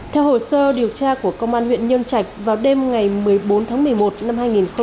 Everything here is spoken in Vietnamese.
theo hồ sơ điều tra của công an huyện nhân trạch vào đêm ngày một mươi bốn tháng một mươi một năm hai nghìn hai mươi ba